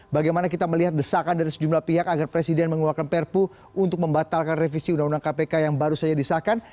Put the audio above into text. bagaimana kita melihat desakan dari sejumlah pihak agar presiden mengeluarkan perpu untuk membatalkan revisi undang undang kpk yang baru saja disahkan